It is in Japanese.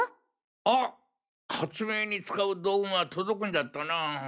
あ発明に使う道具が届くんじゃったな。